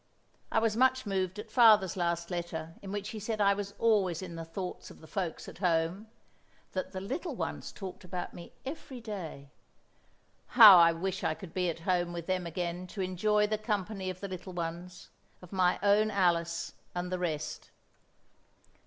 I was much moved at father's last letter in which he said I was always in the thoughts of the folks at home; that the little ones talked about me every day. How I wish I could be at home with them again to enjoy the company of the little ones, of my own Alice and the rest."